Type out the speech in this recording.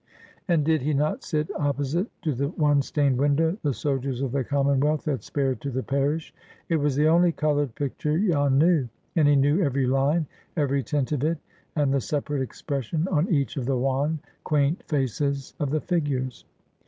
And did he not sit opposite to the one stained window the soldiers of the Commonwealth had spared to the parish! It was the only colored picture Jan knew, and he knew every line, every tint of it, and the separate expression on each of the wan, quaint faces of the figures.